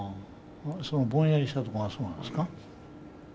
そのぼんやりした所がそうなんですか？